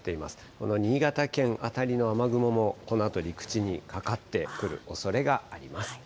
この新潟県辺りの雨雲も、このあと陸地にかかってくるおそれがあります。